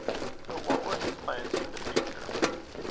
But what were his plans for the future?